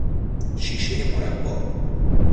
شیشهی مربا